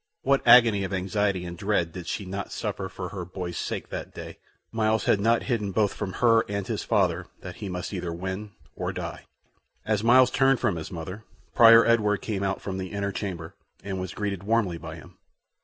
What agony of anxiety and dread did she not suffer for her boy's sake that day! Myles had not hidden both from her and his father that he must either win or die. As Myles turned from his mother, Prior Edward came out from the inner chamber, and was greeted warmly by him.